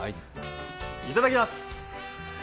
いただきます。